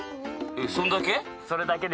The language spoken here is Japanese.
そんだけ？